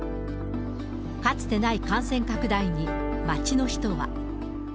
かつてない感染拡大に、街の人は。